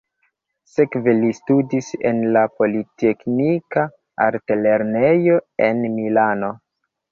Sekve li studis en la politeknika altlernejo en Milano.